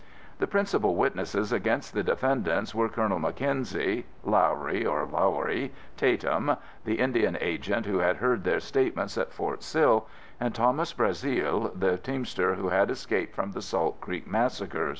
The principal witnesses against the defendants were Colonel Mackenzie, Lawrie (or Lowerie) Tatum, the Indian Agent who had heard their statements at Fort Sill and Thomas Brazeal, the teamster who had escaped from the Salt Creek massacre.